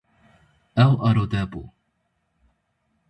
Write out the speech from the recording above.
Ew arode bû.